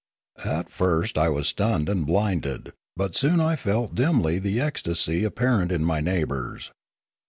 At first I was stunned and blinded ; but soon I felt dimly the ecstasy apparent in my neighbours.